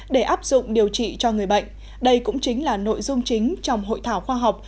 để áp dụng điều trị cho người bệnh đây cũng chính là nội dung chính trong hội thảo khoa học